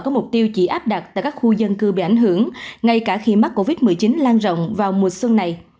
có mục tiêu chỉ áp đặt tại các khu dân cư bị ảnh hưởng ngay cả khi mắc covid một mươi chín lan rộng vào mùa xuân này